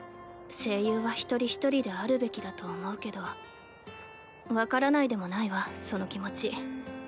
声優は１人１人であるべきだと思うけど分からないでもないわその気持ち。